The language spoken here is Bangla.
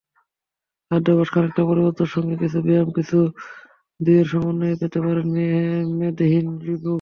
খাদ্যাভ্যাসে খানিকটা পরিবর্তন, সঙ্গে কিছু ব্যায়াম—এই দুইয়ের সমন্বয়েই পেতে পারেন মেদহীন চিবুক।